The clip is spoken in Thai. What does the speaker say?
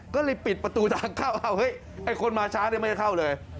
ก็เลยปิดประตูทางเข้าเอาเฮ้ยไอ้คนมาช้าเนี่ยไม่ได้เข้าเลย